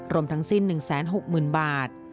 ทั้งสิ้น๑๖๐๐๐บาท